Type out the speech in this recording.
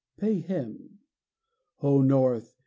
Pay him. O North!